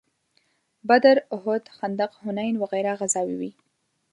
بدر، احد، خندق، حنین وغیره غزاوې وې.